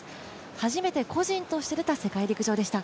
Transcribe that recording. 初めて個人として出た世界陸上でした。